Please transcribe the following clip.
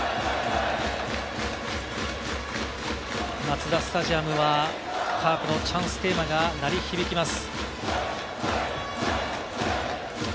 マツダスタジアムはカープのチャンステーマが鳴り響きます。